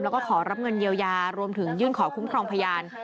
แล้วก็ขอรับเงินเยียวยารวมถึงยื่นขอคุ้มครองพยาน